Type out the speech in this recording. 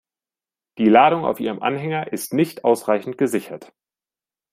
Die Ladung auf Ihrem Anhänger ist nicht ausreichend gesichert.